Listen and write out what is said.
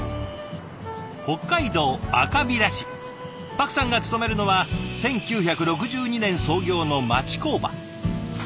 パクさんが勤めるのは１９６２年創業の町工場。